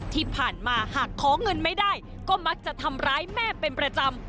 ที่ผ่านมาหากขอเงินไม่ได้ก็มักจะทำร้ายแม่เป็นประจำ